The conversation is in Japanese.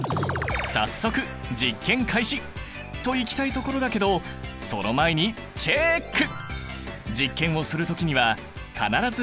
早速実験開始。といきたいところだけどその前にチェック！